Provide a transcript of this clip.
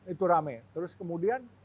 itu rame terus kemudian